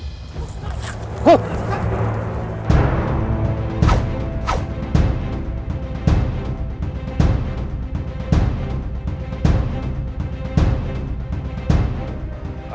kau tidak bisa mencari raden